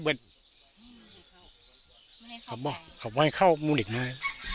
เข้าไปเข้ามูดิกมา